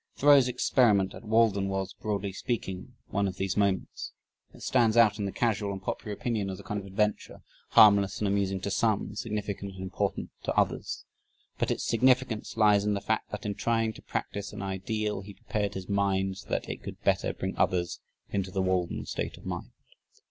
Thoreau's experiment at Walden was, broadly speaking, one of these moments. It stands out in the casual and popular opinion as a kind of adventure harmless and amusing to some, significant and important to others; but its significance lies in the fact that in trying to practice an ideal he prepared his mind so that it could better bring others "into the Walden state of mind."